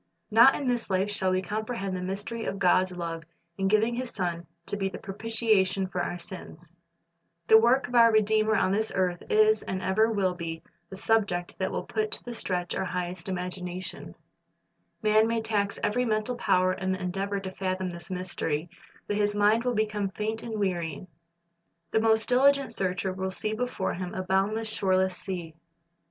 Not in this life shall we comprehend the mystery of God's love in giving His Son to be the propitiation for our sins. The work of our Redeemer on this earth is and ever will 1 Luke 24 ; 27 2john 5 : 46 ■' John 5 : 39 ^'Things Nezv and Old''' 129 be a subject that wi'il put to the stretch our highest imagination. Man may tax every mental power in the endeavor to fathom this mystery, but his mind will become faint and weary. The most dihgent searcher will see before him a boundless, shoreless sea.